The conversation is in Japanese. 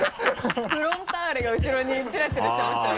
「フロンターレ」が後ろにチラチラしてましたよ